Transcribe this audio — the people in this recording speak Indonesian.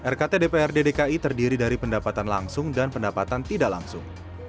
rkt dprd dki terdiri dari pendapatan langsung dan pendapatan tidak langsung